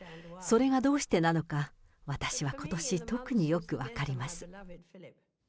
それがどうしてなのか、私はことし、特によく分かります。